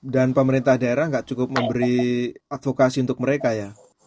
dan pemerintah daerah tidak cukup memberi advokasi untuk mereka ya